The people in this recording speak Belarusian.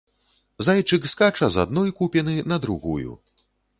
Зайчык скача з адной купіны на другую.